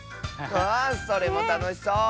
あそれもたのしそう！